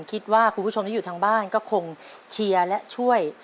คุณผู้ชมที่อยู่ทางบ้านก็คงเชียร์และช่วย